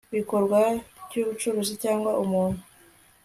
gikorwa cy ubucuruzi cyangwa umuntu